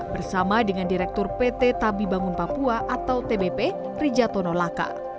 bersama dengan direktur pt tabi bangun papua atau tbp rijatono laka